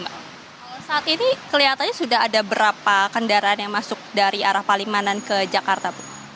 kalau saat ini kelihatannya sudah ada berapa kendaraan yang masuk dari arah palimanan ke jakarta